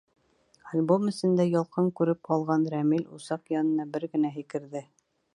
Альбом эсендә ялҡын күреп алған Рәмил усаҡ янына бер генә һикерҙе.